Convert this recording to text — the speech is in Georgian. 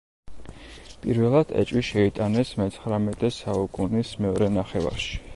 პირველად ეჭვი შეიტანეს მეცხრამეტე საუკუნის მეორე ნახევარში.